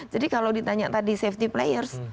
jadi kalau ditanya tadi safety players